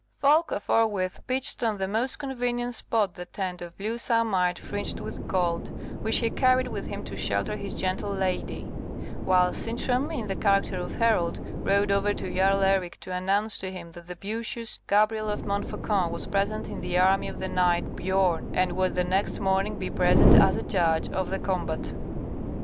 Folko forthwith pitched on the most convenient spot the tent of blue samite fringed with gold, which he carried with him to shelter his gentle lady; whilst Sintram, in the character of herald, rode over to Jarl Eric to announce to him that the beauteous Gabrielle of Montfaucon was present in the army of the knight Biorn, and would the next morning be present as a judge of the combat.